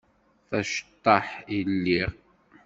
D aceṭṭaḥ i lliɣ.